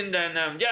じゃあ